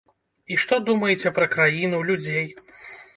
І што думаеце пра краіну, людзей?